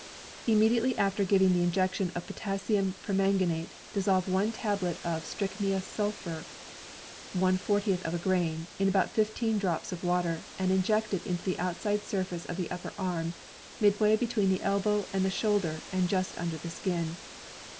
Immediately after giving the injection of potassimn per manganate dissolve one tablet of strychnia sulph. (one fortieth of a grain) in about fifteen drops of water and inject it into the outside surface of the upper arm, midway between the elbow and the shoulder and just under the skin.